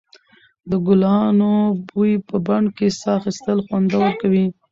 د ګلانو بوی په بڼ کې ساه اخیستل خوندور کوي.